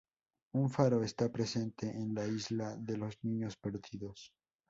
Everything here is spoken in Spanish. Un faro esta presente en la isla de los niños perdidos.